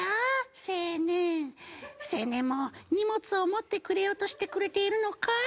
青年青年も荷物を持ってくれようとしてくれているのかい？